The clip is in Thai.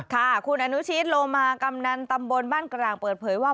ค่ะคุณอนุชิตโลมากำนันตำบลบ้านกลางเปิดเผยว่า